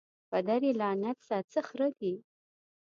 پدر یې لعنت سه څه خره دي